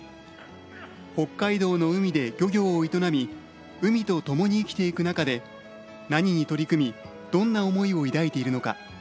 北海道の海で漁業を営み海とともに生きていく中で何に取り組みどんな思いを抱いているのか。